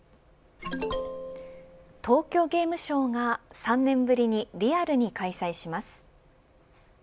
東京ゲームショウが３年ぶりにリアルに開催します。